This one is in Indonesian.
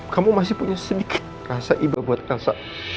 kamu masih punya sedikit rasa ibah buat elsa